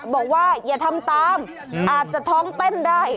บอกว่าอย่าทำตามอาจจะท้องเต้นได้